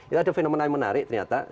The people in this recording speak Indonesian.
ya ada fenomena yang menarik ternyata